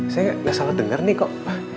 saya gak salah denger nih kok